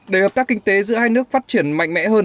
để hợp tác kinh tế giữa hai nước phát triển mạnh mẽ hơn